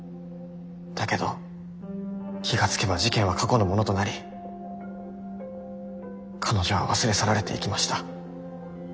だけど気が付けば事件は過去のものとなり彼女は忘れ去られていきました。